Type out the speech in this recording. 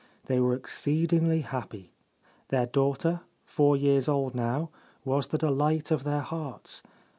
They were exceedingly happy ; their daughter, four years old now, was the delight of their hearts.